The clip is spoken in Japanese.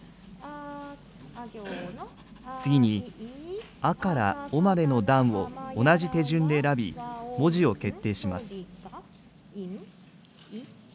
次に、あからおまでの段を同じ手順で選び、文字を決定します。